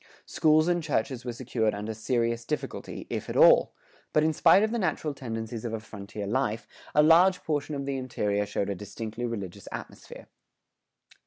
Schools and churches were secured under serious difficulty,[107:1] if at all; but in spite of the natural tendencies of a frontier life, a large portion of the interior showed a distinctly religious atmosphere.